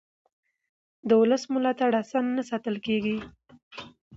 د ولس ملاتړ اسانه نه ساتل کېږي